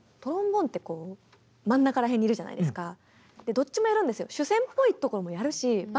どっちもやるんですよ。